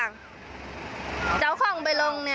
อาจรู้จักการสถาบัติหน้านี้